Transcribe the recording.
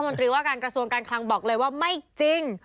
นตรีว่าการกระทรวงการคลังบอกเลยว่าไม่จริง